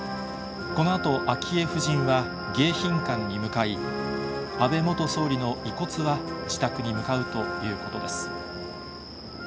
このあと昭恵夫人は迎賓館に向かい、安倍元総理の遺骨は自宅に向かうということです。